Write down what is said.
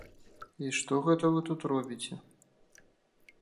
І што гэта вы тут робіце?